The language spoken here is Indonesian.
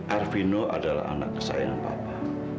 arvino adalah anak kesayangan bapak